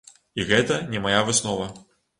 І гэта не мая выснова.